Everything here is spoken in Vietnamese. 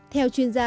theo chuyên gia